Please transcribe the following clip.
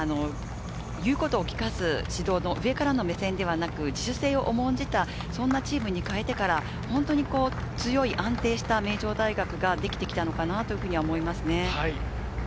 言うこと聞かすような上からの目線ではなく自主性を重んじたチームに変えてから本当に強い安定した名城大学ができたなかなと思います。